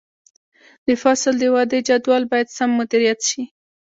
د فصل د ودې جدول باید سم مدیریت شي.